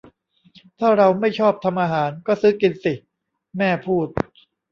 ถ้าเราไม่ชอบทำอาหาร ก็ซื้อกินสิ แม่พูด